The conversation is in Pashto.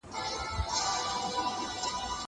زه قلم نه استعمالوموم!!